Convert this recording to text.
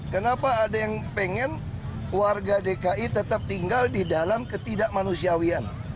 kenapa ada yang pengen warga dki tetap tinggal di dalam ketidakmanusiawian